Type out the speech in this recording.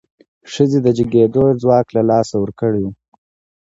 ښځې د جګېدو ځواک له لاسه ورکړی و.